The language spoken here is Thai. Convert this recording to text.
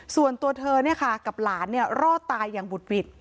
ส่วนตัวเธอเนี่ยค่ะกับหลานเนี่ยรอดตายอย่างบุดบิด